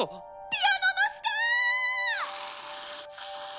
ピアノの下！